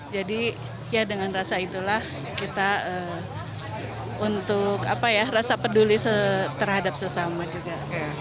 jadi ya dengan rasa itulah kita untuk apa ya rasa peduli terhadap sesama juga